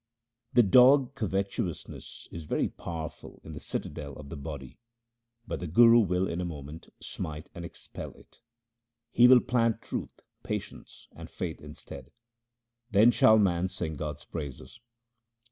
The dog covetousness is very powerful in the citadel of the body, but the Guru will in a moment smite and expel it. He will plant truth, patience, and faith instead ; then shall man sing God's praises.